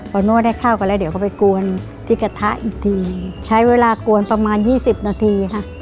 พอนวดได้ข้าวกันแล้วเดี๋ยวก็ไปกวนที่กระทะอีกทีใช้เวลากวนประมาณยี่สิบนาทีค่ะ